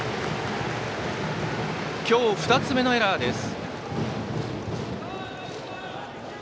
今日２つ目のエラーです。